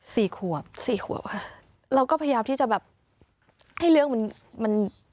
สี่ขวบสี่ขวบค่ะเราก็พยายามที่จะแบบให้เรื่องมันมัน